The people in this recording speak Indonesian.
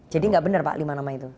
jadi enggak benar pak lima nama itu